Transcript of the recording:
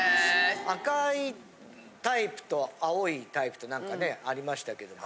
赤いタイプと青いタイプとなんかねありましたけども。